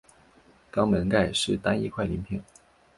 肛门盖是单一块鳞片。